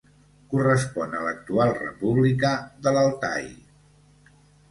Correspon a l'actual República de l'Altai.